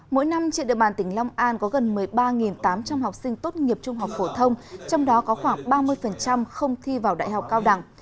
mỗi năm trên địa bàn tỉnh long an có gần một mươi ba tám trăm linh học sinh tốt nghiệp trung học phổ thông trong đó có khoảng ba mươi không thi vào đại học cao đẳng